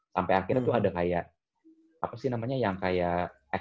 sampai akhirnya tuh ada kayak apa sih namanya yang kayak